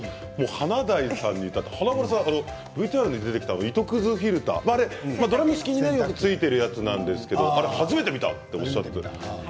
華大さんに至っては華丸さんＶＴＲに出てきた糸くずフィルタードラム式にはついているものなんですが初めて見たとおっしゃっていましたね。